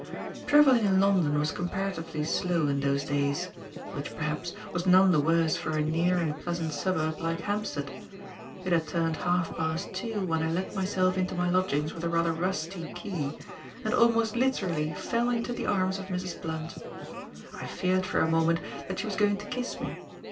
Travelling in London was comparatively slow in those days which, perhaps, was none the worse for a near and pleasant suburb like Hampstead; it had turned half past two when I let myself into my lodgings with a rather rusty key and almost literally, fell into the arms of Mrs. Blunt. I feared, for a moment, that she was going to kiss me.